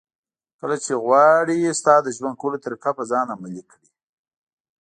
کله چې غواړي ستا د ژوند کولو طریقه په ځان عملي کړي.